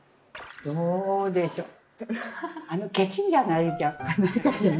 どうでしょう。